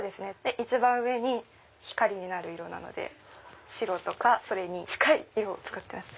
一番上に光になる色なので白とかそれに近い色を使ってます。